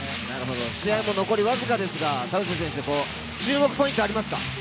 試合も残りわずかですが、田臥選手、注目ポイントありますか？